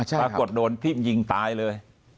ปรากฏโดนพี่ยิงตายเลย